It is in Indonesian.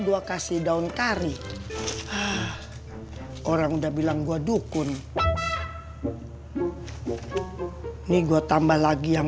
gw berjalan bang